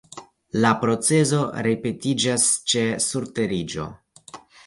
La procezo ripetiĝas ĉe surteriĝo.